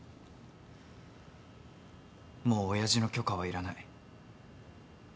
もう親父の許可はいらない。